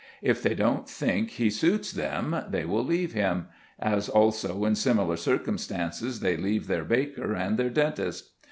If they don't think he suits them, they will leave him, as also in similar circumstances they leave their baker and their dentist.